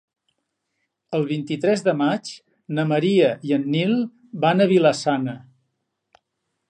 El vint-i-tres de maig na Maria i en Nil van a Vila-sana.